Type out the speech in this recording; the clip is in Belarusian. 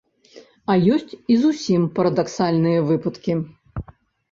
А ёсць і зусім парадаксальныя выпадкі.